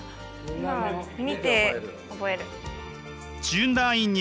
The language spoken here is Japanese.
見て覚える。